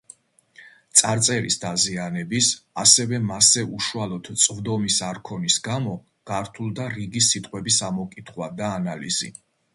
წარწერის დაზიანების, ასევე მასზე უშუალოდ წვდომის არქონის გამო გართულდა რიგი სიტყვების ამოკითხვა და ანალიზი.